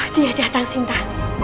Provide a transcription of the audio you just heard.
dia datang simta